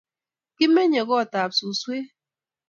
kimenye kootab suswek